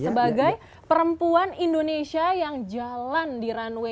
sebagai perempuan indonesia yang jalan di runway